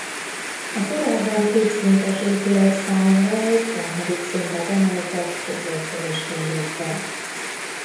A korábban kétszintes épületszárnyra egy harmadik szintet emeltek középkori stílusban.